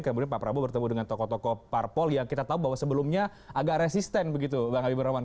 kemudian pak prabowo bertemu dengan tokoh tokoh parpol yang kita tahu bahwa sebelumnya agak resisten begitu bang habibur rahman